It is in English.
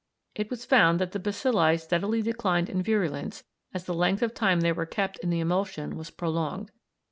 It was found that the bacilli steadily declined in virulence as the length of time they were kept in the emulsion was prolonged.